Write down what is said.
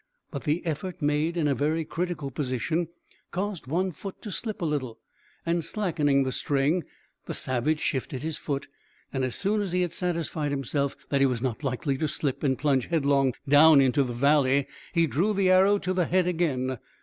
But the effort made in a very critical position caused one foot to slip a little, and slackening the string, the savage shifted his foot, and as soon as he had satisfied himself that he was not likely to slip and plunge headlong down into the valley, he drew the arrow to the head again.